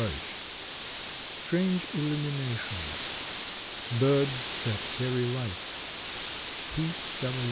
_ STRANGE ILLUMINATIONS. BIRDS THAT CARRY LIGHTS.